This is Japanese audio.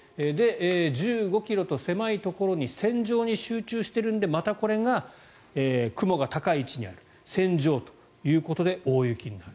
１５ｋｍと狭いところに線状に集中しているのでまたこれが雲が高い位置にある線状ということで大雪になる。